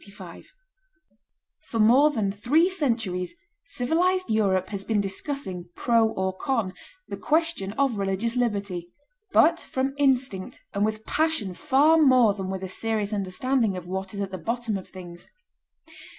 ] For more than three centuries civilized Europe has been discussing, pro or con, the question of religious liberty, but from instinct and with passion far more than with a serious understanding of what is at the bottom of things.